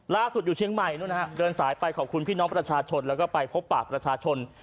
ล่าสุดอยู่เชียงใหม่ขอบคุณพี่น้องประชาชนและโภพปากประชาชน